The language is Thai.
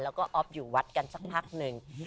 แล้วก็ออฟอยู่วัดกันสักพักหนึ่ง